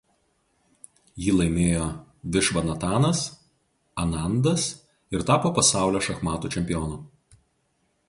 Jį laimėjo Višvanatanas Anandas ir tapo pasaulio šachmatų čempionu.